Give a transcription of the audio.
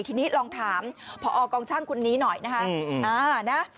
ทีนี้ลองถามพอกองช่างคนนี้หน่อยนะคะ